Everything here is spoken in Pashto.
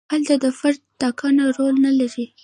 هلته د فرد ټاکنه رول نه لري.